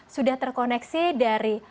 sudah terkoneksi dari